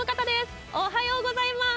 おはようございます。